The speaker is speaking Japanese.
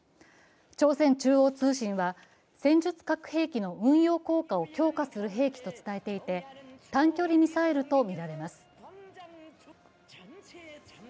朝鮮中央通信は、戦術核兵器の運用の効果を強化する兵器と伝えていて短距離ミサイルとみられます。